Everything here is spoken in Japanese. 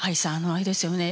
あれですよね